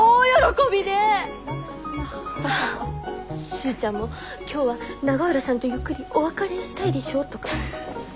「スーちゃんも今日は永浦さんとゆっくりお別れしたいでしょ？」とか。